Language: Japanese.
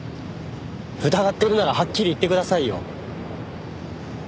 疑ってるならはっきり言ってくださいよ。